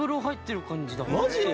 マジ？